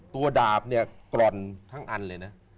ดาบเนี่ยกร่อนทั้งอันเลยนะ